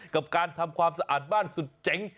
กับการทำความสะอาดบ้านสุดเจ๋ง